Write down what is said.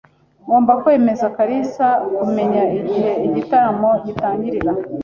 Ngomba kwemeza kalisa kumenya igihe igitaramo gitangirira.